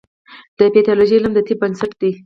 د پیتالوژي علم د طب بنسټ دی.